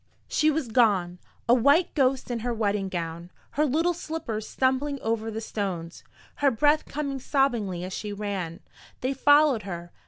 She was gone, a white ghost in her wedding gown, her little slippers stumbling over the stones, her breath coming sobbingly as she ran. They followed her.